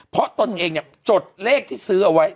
เพราะตนเองเนี่ยจดเลขที่ซื้อเอาไว้